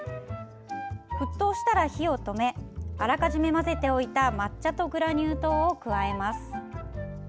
沸騰したら火を止めあらかじめ混ぜておいた抹茶とグラニュー糖を加えます。